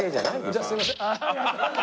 じゃあすいません。